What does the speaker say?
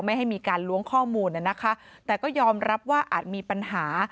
ไม่ให้มีการล้วงข้อมูลนะคะแต่ก็ยอมรับว่าอาจมีปัญหา